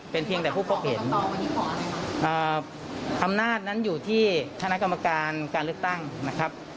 เป็นเพียงแต่ผู้พบเห็นอำนาจนั้นอยู่ที่คณะกรรมการการเลือกตั้งนะครับ